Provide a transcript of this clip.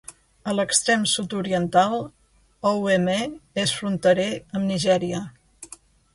A l'extrem sud-oriental, Ouémé és fronterer amb Nigèria.